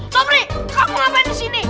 sobri kamu ngapain di sini